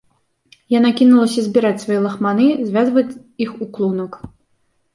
Яна кінулася збіраць свае лахманы, звязваць іх у клунак.